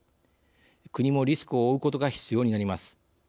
国もリスクを負うことが必要になります。